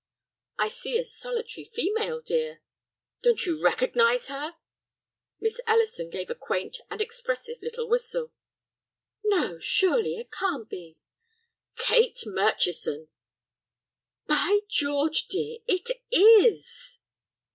"I see a solitary female, dear." "Don't you recognize her?" Miss Ellison gave a quaint and expressive little whistle. "No, surely, it can't be!" "Kate Murchison." "By George, dear, it is!"